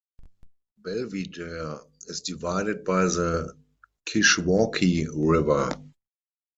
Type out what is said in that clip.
Belvidere is divided by the Kishwaukee River.